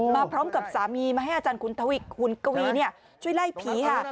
มาพร้อมกับสามีมาให้อาจารย์คุณกวีช่วยไล่ผีค่ะ